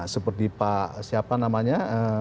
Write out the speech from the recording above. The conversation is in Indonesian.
seperti pak siapa namanya